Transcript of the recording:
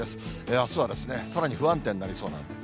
あすはさらに不安定になりそうなんです。